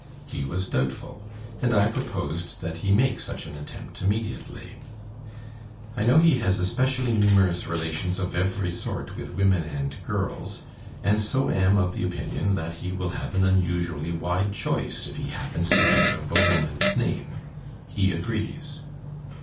He was doubtful, and I proposed that he make such an attempt immediately. I know he has especially numerous relations of every sort with women and girls, and so am of the opinion that he will have an unusually wide choice if he happens to think of a woman's name. He agrees.